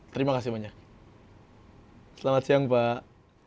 terima kasih banyak selamat siang pak